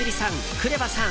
ＫＲＥＶＡさん